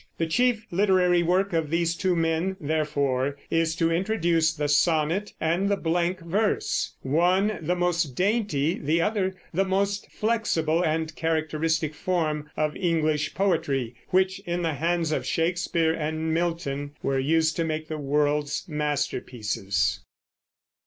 The chief literary work of these two men, therefore, is to introduce the sonnet and the blank verse, one the most dainty, the other the most flexible and characteristic form of English poetry, which in the hands of Shakespeare and Milton were used to make the world's masterpieces.